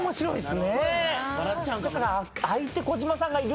だから。